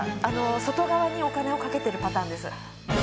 外側にお金をかけてるパターンです。